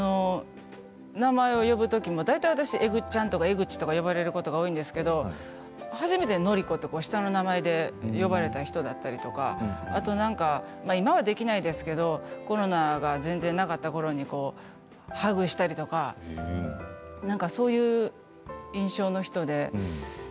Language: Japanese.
名前を呼ぶときも大体、私はえぐっちゃんとか江口と呼ばれることが多いんですけれども初めてのりこと下の名前で呼ばれた人だったりとか今は、できないですけれどコロナが全然なかったころにハグしたりとかなんかそういう印象の人で。